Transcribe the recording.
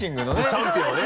チャンピオンね。